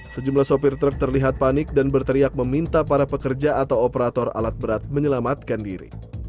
sejumlah sopir truk terlihat panik dan berteriak meminta para pekerja atau operator alat berat menyelamatkan diri